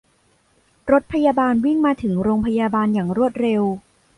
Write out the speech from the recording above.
รถพยาบาลวิ่งมาถึงโรงพยาบาลอย่างรวดเร็ว